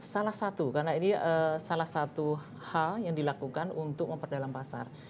salah satu karena ini salah satu hal yang dilakukan untuk memperdalam pasar